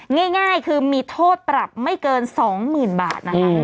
ง่ายคือมีโทษปรับไม่เกิน๒๐๐๐บาทนะคะ